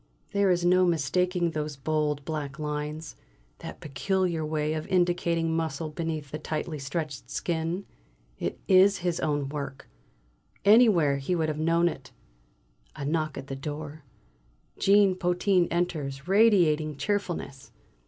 There is no mistaking those bold, black lines, that peculiar way of indicating muscle beneath the tightly stretched skin it is his own work! Anywhere would he have known it! A knock at the door! Jean Potin enters, radiating cheerfulness.